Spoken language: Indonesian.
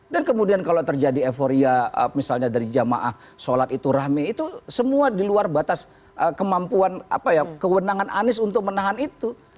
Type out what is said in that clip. dan kemudian kalau terjadi euforia misalnya dari jamaah sholat itu rahmi itu semua di luar batas kemampuan apa ya kewenangan anies untuk menahan itu